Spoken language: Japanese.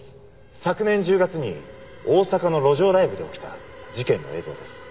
昨年１０月に大阪の路上ライブで起きた事件の映像です。